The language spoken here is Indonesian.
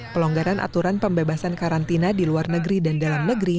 pelonggaran aturan pembebasan karantina di luar negeri dan dalam negeri